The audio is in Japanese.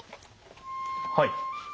はい。